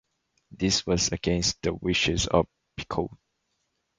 This was against the wishes of Picoult.